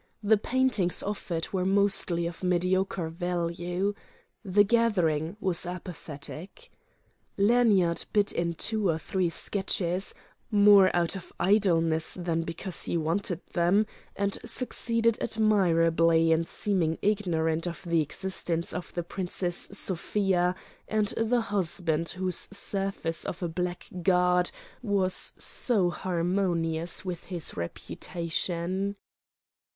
The paintings offered were mostly of mediocre value. The gathering was apathetic. Lanyard bid in two or three sketches, more out of idleness than because he wanted them, and succeeded admirably in seeming ignorant of the existence of the Princess Sofia and the husband whose surface of a blackguard was so harmonious with his reputation.